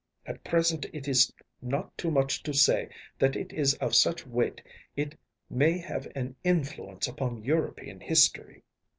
At present it is not too much to say that it is of such weight it may have an influence upon European history.